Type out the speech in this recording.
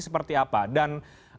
seperti apa dan